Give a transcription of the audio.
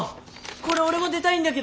これ俺も出たいんだけど！